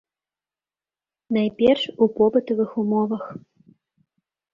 Найперш у побытавых умовах.